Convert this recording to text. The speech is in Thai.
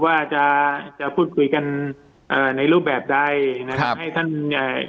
ว่าจะจะพูดคุยกันเอ่อในรูปแบบใดนะครับให้ท่านเอ่อ